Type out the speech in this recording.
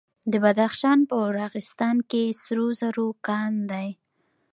د بدخشان په راغستان کې سرو زرو کان دی.